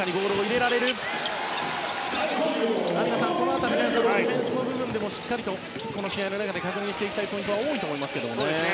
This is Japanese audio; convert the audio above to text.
網野さん、ディフェンスオフェンスの部分でもしっかりと試合の中で確認したいポイントは多いと思いますが。